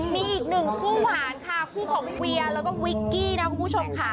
มีอีกหนึ่งคู่หวานค่ะคู่ของเวียแล้วก็วิกกี้นะคุณผู้ชมค่ะ